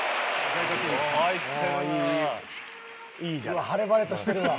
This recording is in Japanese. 「うわっ晴れ晴れとしてるわ」